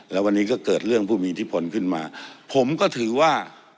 แล้ววันนี้ก็เกิดเรื่องผู้มีอิทธิพลขึ้นมาผมก็ถือว่า